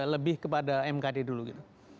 lebih kepada mkd dulu gitu